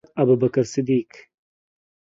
حضرت ابوبکر صدیق